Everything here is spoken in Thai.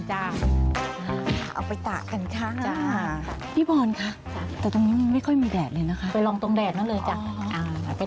ชาไตหอมหน่อยนะคะค่ะ